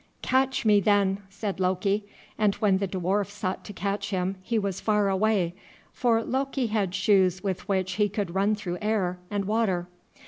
"Catch me, then!" said Loki, and when the dwarf sought to catch him he was far away, for Loki had shoes with which he could run through air and water.